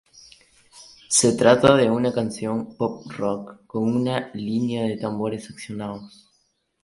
Se trata de una canción "pop rock" con una "línea de tambores accionados".